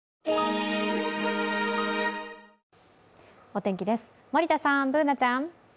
お天気です、森田さん、Ｂｏｏｎａちゃん。